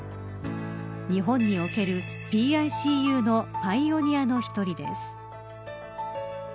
日本におけるＰＩＣＵのパイオニアの１人です。